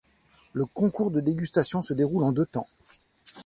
Le concours de dégustation se déroule en deux temps.